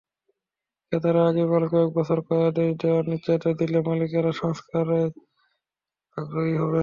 ক্রেতারা আগামী কয়েক বছরের ক্রয়াদেশ দেওয়ার নিশ্চয়তা দিলে মালিকেরা সংস্কারকাজের আগ্রহী হবেন।